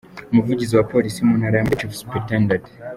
Umuvugizi wa polisi mu ntara y’ Amajyepfo Chief Supt.